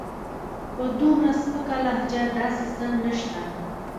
په دومره سپکه لهجه داسې څه نشته.